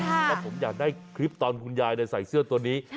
แล้วผมอยากได้คลิปตอนคุณยายใส่เสื้อตัวนี้